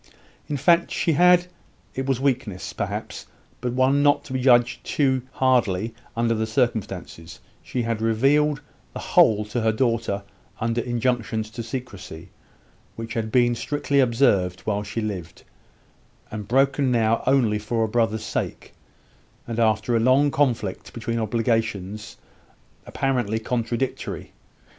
In fact she had it was weakness, perhaps, but one not to be too hardly judged under the circumstances she had revealed the whole to her daughter under injunctions to secrecy, which had been strictly observed while she lived, and broken now only for a brother's sake, and after a long conflict between obligations apparently contradictory.